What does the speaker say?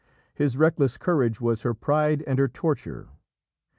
His reckless courage was her pride and her torture.